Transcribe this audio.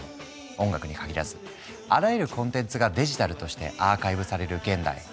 音楽に限らずあらゆるコンテンツがデジタルとしてアーカイブされる現代